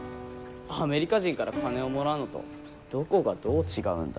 アメリカ人から金をもらうのとどこがどう違うんだ？